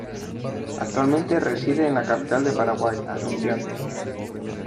Actualmente reside en la capital de Paraguay, Asunción.